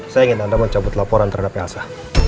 saya ingin anda mencabut laporan terhadap kasa